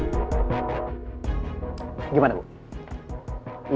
ibu yang gak percaya diri atau saya yang terlalu percaya diri